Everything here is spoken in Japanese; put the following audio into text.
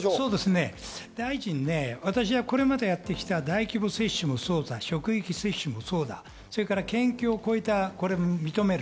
私はこれまでやってきた大規模接種もそうだし、職域接種もそうだ、県境を越えたものも認める。